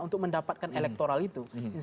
untuk mendapatkan elektoral itu